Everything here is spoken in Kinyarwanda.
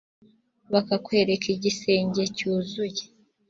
bakakwereka igisenge cyuzuye